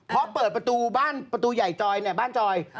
เพราะเปิดประตูบ้านประตูใหญ่จอยเนี่ยบ้านจอย